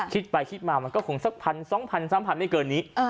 คิดไปคิดมามันก็คงสักพัน๒พัน๓พันไม่เกินนี้